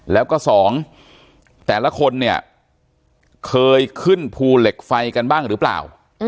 แล้วก็สองแต่ละคนเนี่ยเคยขึ้นภูเหล็กไฟกันบ้างหรือเปล่า